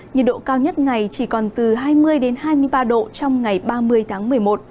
nhiệt độ cao nhất ngày chỉ còn từ hai mươi hai mươi ba độ trong ngày ba mươi tháng một mươi một